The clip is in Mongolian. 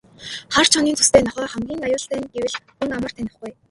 Хар чонын зүстэй нохойн хамгийн аюултай нь гэвэл хүн амар танихгүй.